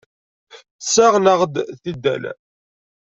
Ssaɣen-aɣ-d tidal.